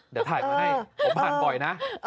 เดี๋ยวถ่ายมาให้ผมผ่านบ่อยนะ